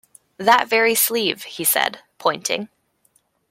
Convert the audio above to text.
"That very sleeve," he said, pointing.